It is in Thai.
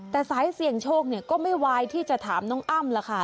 แต่สายเสี่ยงโชคก็ไม่ไหวที่จะถามน้องอ้ำแล้วค่ะ